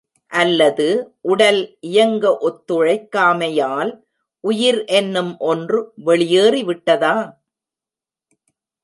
அல்லது, உடல் இயங்க ஒத்துழைக்காமையால், உயிர் என்னும் ஒன்று வெளியேறிவிட்டதா?